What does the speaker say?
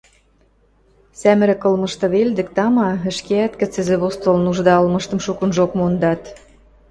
Сӓмӹрӹк ылмышты велдӹк, тама, ӹшкеӓт кӹцӹзӹ постол нужда ылмыштым шукынжок мондат.